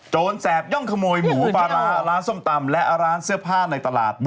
แสบย่องขโมยหมูปลาร้าร้านส้มตำและร้านเสื้อผ้าในตลาด